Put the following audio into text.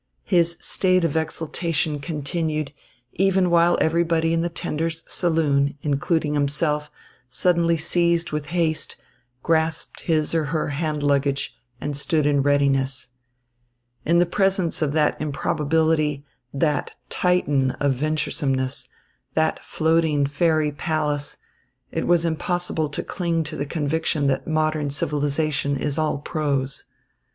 His state of exaltation continued, even while everybody in the tender's saloon, including himself, suddenly seized with haste, grasped his or her hand luggage and stood in readiness. In the presence of that improbability, that Titan of venturesomeness, that floating fairy palace, it was impossible to cling to the conviction that modern civilisation is all prose.